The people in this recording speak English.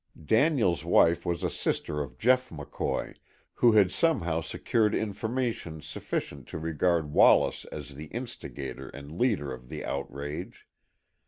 Daniels' wife was a sister of Jeff McCoy, who had somehow secured information sufficient to regard Wallace as the instigator and leader of the outrage.